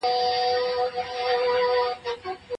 قانون سرغړونې محدودوي او نظم ټینګوي.